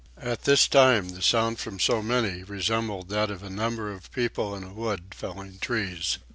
At this time the sound from so many resembled that of a number of people in a wood felling trees.